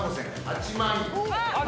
８万円。